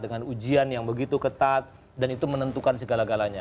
dan itu menentukan segala galanya